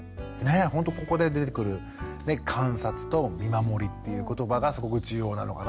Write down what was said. ほんとここで出てくる観察と見守りっていうことばがすごく重要なのかなっていう。